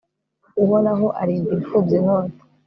uhoraho arinda imfubyi inkota